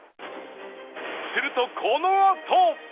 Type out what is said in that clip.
するとこのあと！